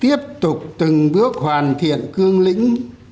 tiếp tục từng bước hoàn thiện cương lĩnh